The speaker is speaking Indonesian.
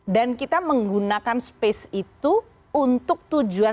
dan kita menggunakan space itu untuk tujuan